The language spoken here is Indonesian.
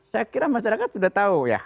saya kira masyarakat sudah tahu ya